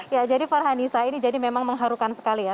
ya jadi farhanisa ini jadi memang mengharukan sekali ya